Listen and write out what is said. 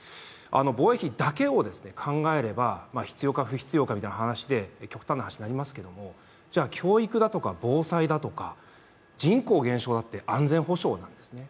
防衛費だけを考えれば、必要か不必要かみたいな話で極端な話になりますけども、じゃあ教育だとか防災だとか人口減少だって安全保障なんですね。